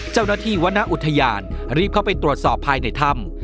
เจ้าหน้าที่วนอุทยานรีบเข้าไปตรวจสอบภายในถ้ำ